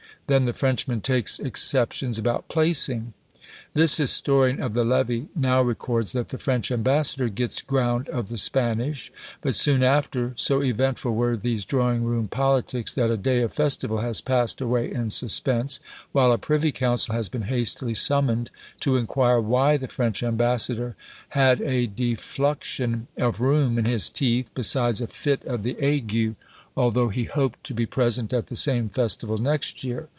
then "the Frenchman takes exceptions about placing." This historian of the levee now records, "that the French ambassador gets ground of the Spanish;" but soon after, so eventful were these drawing room politics, that a day of festival has passed away in suspense, while a privy council has been hastily summoned, to inquire why the French ambassador had "a defluction of rheum in his teeth, besides a fit of the ague," although he hoped to be present at the same festival next year!